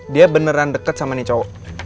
dia beneran deket sama nih cowok